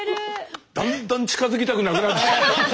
だんだん近づきたくなくなってきた。